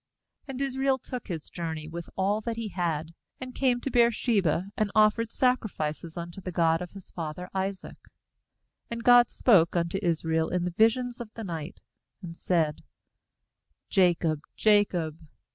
A £ And Israel took his journey •*• with all that he had, and came to Beer sheba, and offered sacrifices un to the God of his father Isaac. 2And God spoke unto Israel in the visions of the night, and said: 'Jacob, Jacob.'